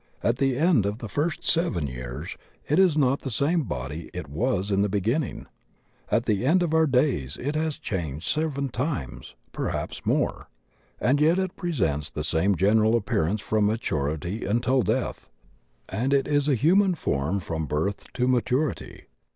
At the end of the first seven years it is not the same body it was in the beginning. At the end of our days it has changed seven times, perhaps more. And yet it presents the same general appearance from maturity until death; and it is a human form from birth to maturity.